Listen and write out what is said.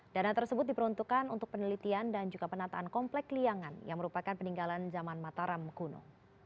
dana tersebut diperuntukkan untuk penelitian dan juga penataan komplek liangan yang merupakan peninggalan zaman mataram kuno